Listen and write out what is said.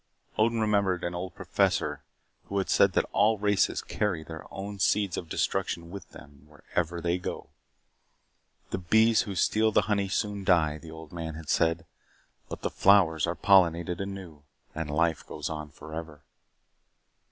Odin remembered an old professor who had said that all races carry their own seeds of destruction with them wherever they go. The bees who steal the honey soon die, the old man had said, but the flowers are pollinated anew and life goes on forever.